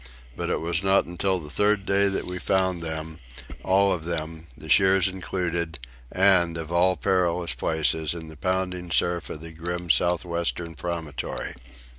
But it was not till the third day that we found them, all of them, the shears included, and, of all perilous places, in the pounding surf of the grim south western promontory.